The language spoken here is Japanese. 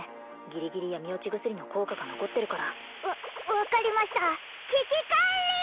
ギリギリ闇堕ち薬の効果が残ってるからわ分かりました危機管理！